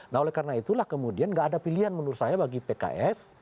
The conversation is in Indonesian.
nah oleh karena itulah kemudian gak ada pilihan menurut saya bagi pks